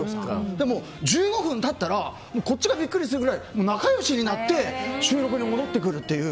でも、１５分経ったらこっちがビックリするぐらい仲良しになって収録に戻ってくるという。